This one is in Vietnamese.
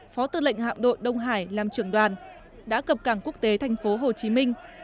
phó tư lệnh hạm đội đông hải làm trưởng đoàn đã cập cảng quốc tế tp hcm